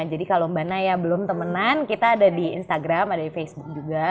jadi kalau mbak naya belum temenan kita ada di instagram ada di facebook juga